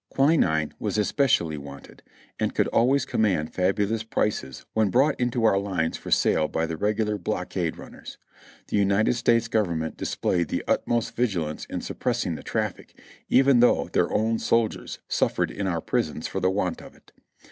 Quinine was especially wanted and could always com mand fabulous prices when brought into our lines for sale by the regular blockade runners. The United States Government dis played the utmost vigilance in suppressing the traf^c, even though their own soldiers suftered in our prisons for the want of it.